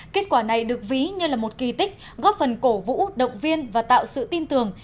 kết quả này được ví như là một kỳ tích góp phần cổ vũ động viên và tạo sự tin tưởng